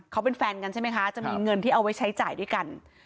เขาเป็นแฟนกันใช่ไหมคะจะมีเงินที่เอาไว้ใช้จ่ายด้วยกัน